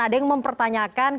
ada yang mempertanyakan